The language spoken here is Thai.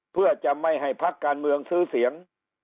เพื่อจะไม่ให้พักการเมืองซื้อเสียง